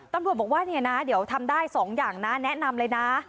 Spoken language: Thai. ตำรวจบอกว่าเนี่ยนะเดี๋ยวทำได้๒อย่างนะแนะนำเลยนะ